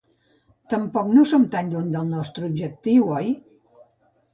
Tampoc no som tan lluny del nostre objectiu, oi?